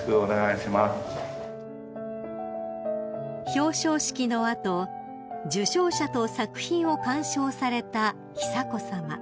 ［表彰式の後受賞者と作品を鑑賞された久子さま］